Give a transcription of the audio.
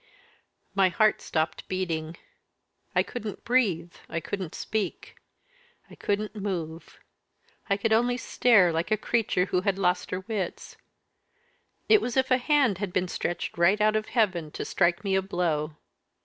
My heart stopped beating I couldn't breathe, I couldn't speak, I couldn't move, I could only stare like a creature who had lost her wits it was as if a hand had been stretched right out of Heaven to strike me a blow.